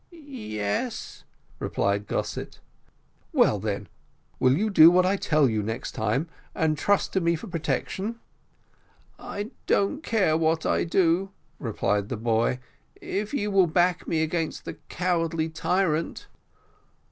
"Yes," replied Gossett. "Well, then, will you do what I tell you next time, and trust to me for protection?" "I don't care what I do," replied the boy, "if you will back me against the cowardly tyrant."